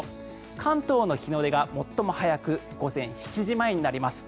関東の日の出が最も早く午前７時前になります。